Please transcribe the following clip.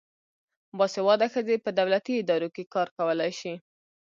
باسواده ښځې په دولتي ادارو کې کار کولای شي.